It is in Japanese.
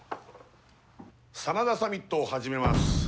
真田サミットを始めます。